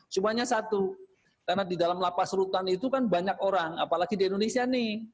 cumanya satu karena di dalam lapas rutan itu kan banyak orang apalagi di indonesia nih